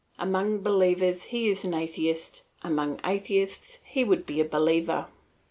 Among believers he is an atheist; among atheists he would be a believer.